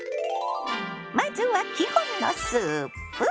まずは基本のスープ？